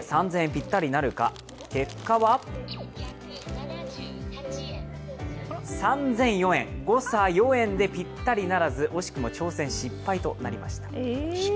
ぴったりになるか結果は３００４円、誤差４円でぴったりならず惜しくも挑戦失敗となりました。